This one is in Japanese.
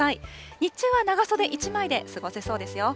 日中は長袖１枚で過ごせそうですよ。